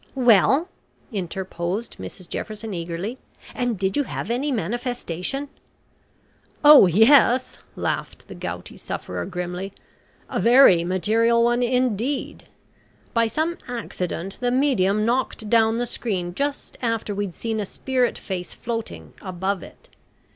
"Well," interposed Mrs Jefferson eagerly, "and did you have any manifestation?" "Oh, yes," laughed the gouty sufferer grimly, "a very material one indeed. By some accident the medium knocked down the screen just after we'd seen a spirit face floating above it.